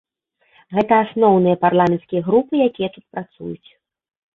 Гэта асноўныя парламенцкія групы, якія тут працуюць.